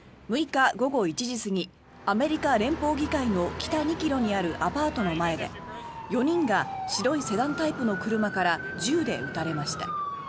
６日午後１時過ぎアメリカ連邦議会の北２ｋｍにあるアパートの前で４人が白いセダンタイプの車から銃で撃たれました。